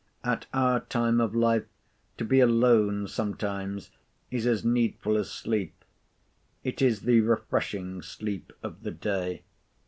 At our time of life, to be alone sometimes is as needful as sleep. It is the refreshing sleep of the day.